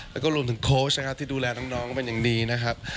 แล้วก็รวมถึงโค้ชนะครับที่ดูแลน้องก็เป็นอย่างดีนะครับ